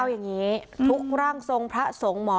เอาอย่างนี้ทุกร่างทรงพระทรงหมอ